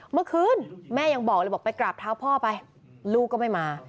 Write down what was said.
เมื่อคืนแม่ยังบอกเลยบอกไปกราบเท้าพ่อไปลูกก็ไม่มา